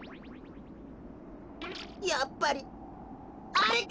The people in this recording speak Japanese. やっぱりあれか！